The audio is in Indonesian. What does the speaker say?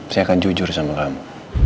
saya akan jujur sama kamu